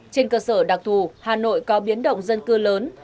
trên cơ sở đặc thù hà nội có biến động dân cư lớn